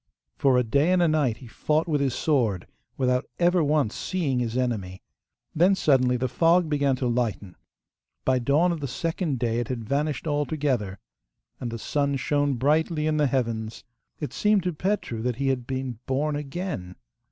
For a day and a night he fought with his sword, without ever once seeing his enemy, then suddenly the fog began to lighten. By dawn of the second day it had vanished altogether, and the sun shone brightly in the heavens. It seemed to Petru that he had been born again.